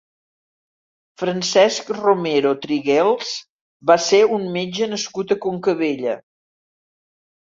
Francesc Romero Triguels va ser un metge nascut a Concabella.